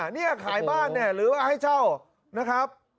นี่ขายบ้านเนี่ยหรือว่าให้เช่านะครับ